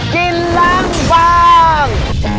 กินล้างบาง